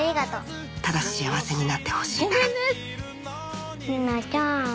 ただ幸せになってほしいから玲奈ちゃん。